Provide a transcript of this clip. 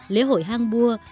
lễ hội hang bua